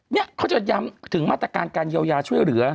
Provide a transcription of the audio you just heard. เนี่ยเขาจะย้ำถึงมาตรการการเยียวยาช่วยเหลือ